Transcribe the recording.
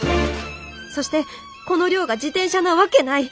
そしてこの量が自転車なわけない。